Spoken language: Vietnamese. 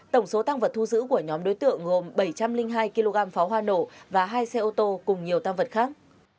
tổng số tăng vật thu giữ của nhóm đối tượng gồm bảy trăm linh hai kg pháo hoa nổ và hai xe ô tô cùng nhiều tăng vật khác